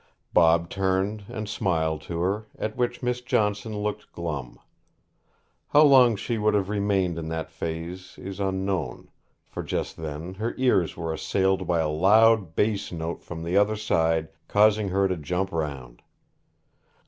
Bob turned and smiled to her, at which Miss Johnson looked glum. How long she would have remained in that phase is unknown, for just then her ears were assailed by a loud bass note from the other side, causing her to jump round.